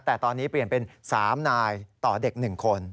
แต่ตอนนี้เปลี่ยนเป็น๓นายต่อเด็ก๑คน